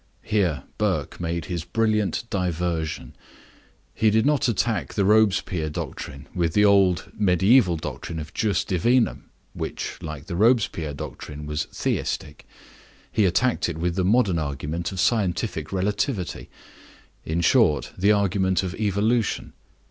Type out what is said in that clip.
Here Burke made his brilliant diversion; he did not attack the Robespierre doctrine with the old mediaeval doctrine of jus divinum (which, like the Robespierre doctrine, was theistic), he attacked it with the modern argument of scientific relativity; in short, the argument of evolution.